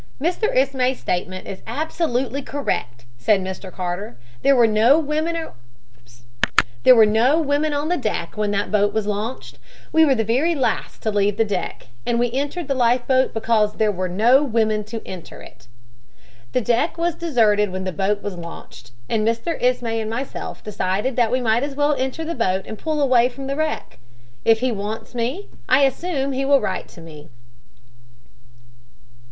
"Mr. Ismay's statement is absolutely correct," said Mr. Carter. "There were no women on the deck when that boat was launched. We were the very last to leave the deck, and we entered the life boat because there were no women to enter it. "The deck was deserted when the boat was launched, and Mr. Ismay and myself decided that we might as well enter the boat and pull away from the wreck. If he wants me, I assume that he will write to me.